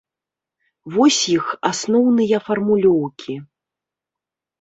Вось іх асноўныя фармулёўкі.